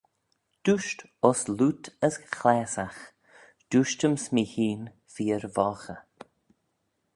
Dooisht, uss lute as chlaasagh: dooisht-yms mee hene feer voghey.